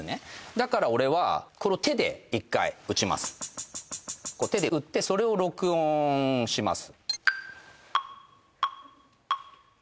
だから俺はこれを手で一回打ちますこう手で打ってそれを録音します